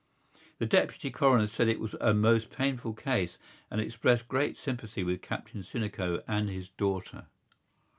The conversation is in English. The Deputy Coroner said it was a most painful case, and expressed great sympathy with Captain Sinico and his daughter.